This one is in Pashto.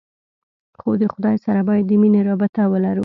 خو د خداى سره بايد د مينې رابطه ولرو.